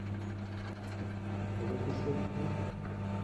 তবে কি সত্যি?